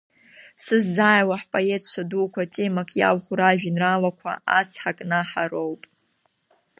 Сыззааиуа, ҳпоетцәа дуқәа темак иалху ражәеинраалақәа Ацҳа кнаҳа роуп.